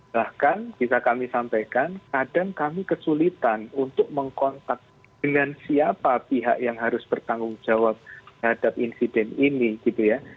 bahkan bisa kami sampaikan kadang kami kesulitan untuk mengkontak dengan siapa pihak yang harus bertanggung jawab terhadap insiden ini gitu ya